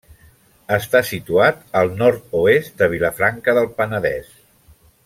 Està situat al nord-oest de Vilafranca del Penedès.